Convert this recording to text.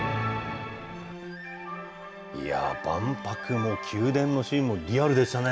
いや、万博も宮殿のシーンもリアルでしたね。